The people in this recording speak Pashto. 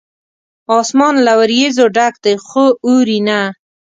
اسمان له وریځو ډک دی ، خو اوري نه